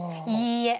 いいえ。